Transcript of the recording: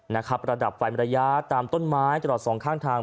นะครับลัดไฟมรพญาตามต้นไม้จรอด๒ข้างทาง